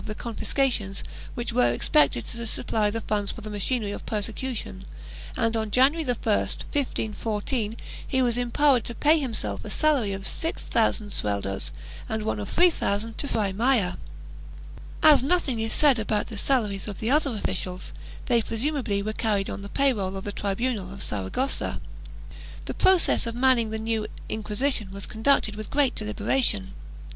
IV] NAVAREE 225 the confiscations which were expected to supply the funds for the machinery of persecution and, on January 1, 1514, he was empowered to pay himself a salary of 6000 sueldos and one of 3000 to Fray Maya. As nothing is said about the salaries of the other officials, they presumably were carried on the pay roll of the tribunal of Saragossa. The process of manning the new Inquisition was conducted with great deliberation.